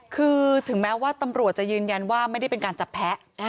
คือถึงแม้ว่าตำรวจจะยืนยันว่าไม่ได้เป็นการจับแพ้